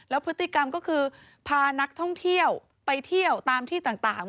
พฤติกรรมก็คือพานักท่องเที่ยวไปเที่ยวตามที่ต่าง